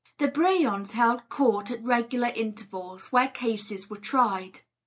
The brehons held courts at regular intervals, where cases were tried.